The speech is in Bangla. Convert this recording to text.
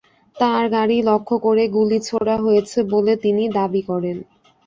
তাঁর গাড়ি লক্ষ্য করে গুলি ছোড়া হয়েছে বলে তিনি দাবি করেন।